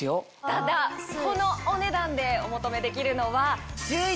ただこのお値段でお求めできるのは。